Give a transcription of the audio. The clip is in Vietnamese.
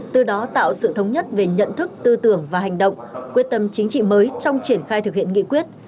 từ đó tạo sự thống nhất về nhận thức tư tưởng và hành động quyết tâm chính trị mới trong triển khai thực hiện nghị quyết